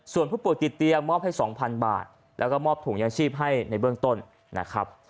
ส่วนผู้ป่วยติดเตียงมอบให้๒๐๐๐บาทแล้วก็มอบถุงยางชีพให้ในเบื้องต้นนะครับ